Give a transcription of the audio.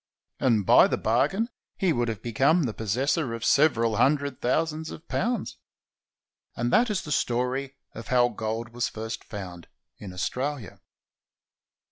But by the bargain he would have become the possessor of several hundred thousand of pounds. 488 GOLD, GOLD, GOLD! And that is the story of how gold was first found in Australia.